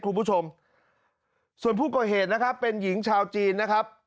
คุณผู้ชมส่วนผู้ก่อเหตุนะครับเป็นหญิงชาวจีนนะครับ